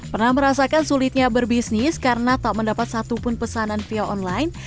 pernah merasakan sulitnya berbisnis karena tak mendapat satupun pesanan via online